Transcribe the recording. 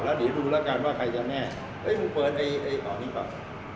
แล้วเดี๋ยวดูแล้วกันว่าใครจะแน่เอ้ยคุณเปิดไอ้ไอ้อ๋อนี่ก่อน